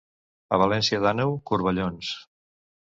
A València d'Àneu, corbellons.